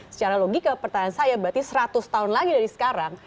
secara logika pertanyaan saya berarti seratus tahun lagi dari sekarang